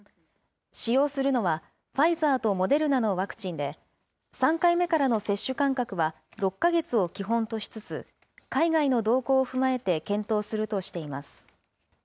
使用するのは、ファイザーとモデルナのワクチンで、３回目からの接種間隔は６か月を基本としつつ、海外の動向を踏まえて検討するとしています。